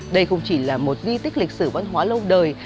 đây không chỉ là một di tích lịch sử văn hóa lâu đời